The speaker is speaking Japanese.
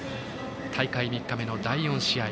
大会３日目の第４試合。